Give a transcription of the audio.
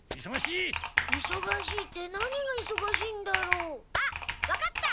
いそがしいって何がいそがしいんだろう？あっ分かった！